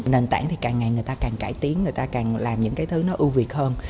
nền tảng thì càng ngày người ta càng cải tiến